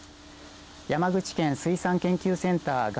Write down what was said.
山口県水産研究センター